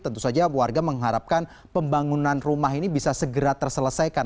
tentu saja warga mengharapkan pembangunan rumah ini bisa segera terselesaikan